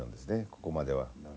ここまでは。